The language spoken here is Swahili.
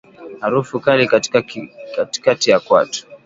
Harufu kali katikati ya kwato